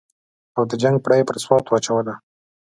او د جنګ پړه یې پر سوات واچوله.